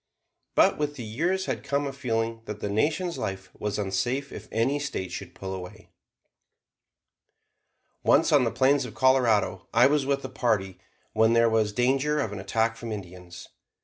But with the years had come a feeling that the Nation's life was unsafe if any State should pull away. Once, on the plains of Colorado, I was with a party when there was danger of an attack from Indians.